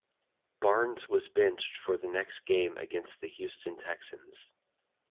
Barnes was benched for the next game against the Houston Texans.